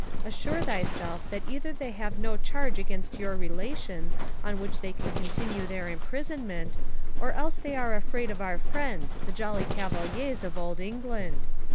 Assure thyself that either they have no charge against your relations on which they can continue their imprisonment, or else they are afraid of our friends, the jolly Cavaliers of old England.